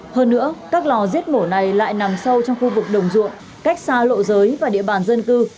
hơn nữa các lò giết mổ này lại nằm sâu trong khu vực đồng ruộng cách xa lộ giới và địa bàn dân cư